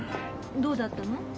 どうだったの？